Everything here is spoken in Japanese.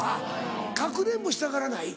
かくれんぼしたがらない？